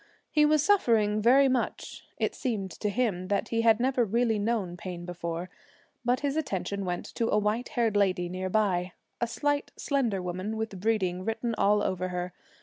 He was suffering very much, it seemed to him that he had never really known pain before, but his attention went to a white haired lady near by a slight, slender woman, with breeding written all over her.